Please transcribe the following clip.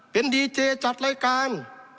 เป็นดีเจจัดรายการ